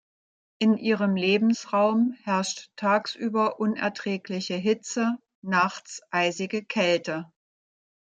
In ihrem Lebensraum herrscht tagsüber unerträgliche Hitze, nachts eisige Kälte.